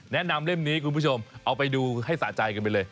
เล่มนี้คุณผู้ชมเอาไปดูให้สะใจกันไปเลย